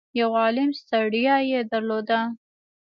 يو عالُم ستړيا يې درلوده.